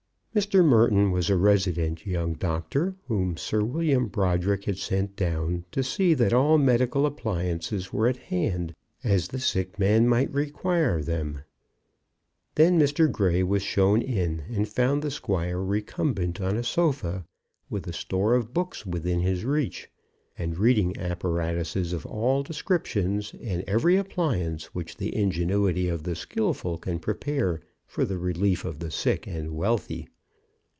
Mr. Merton was a resident young doctor, whom Sir William Brodrick had sent down to see that all medical appliances were at hand as the sick man might require them. Then Mr. Grey was shown in, and found the squire recumbent on a sofa, with a store of books within his reach, and reading apparatuses of all descriptions, and every appliance which the ingenuity of the skilful can prepare for the relief of the sick and wealthy.